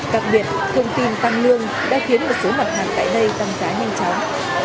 các việc công ty tăng lương đã khiến một số vật hàng tại đây tăng giá nhanh chóng